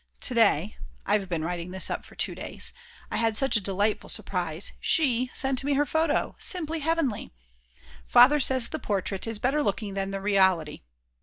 To day, (I've been writing this up for two days), I had such a delightful surprise; she sent me her photo, simply heavenly!! Father says the portrait is better looking than the reality.